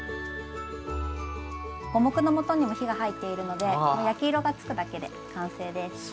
五目のもとにも火が入っているので焼き色がつくだけで完成です。